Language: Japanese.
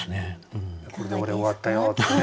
「これで俺終わったよ」って言ってね。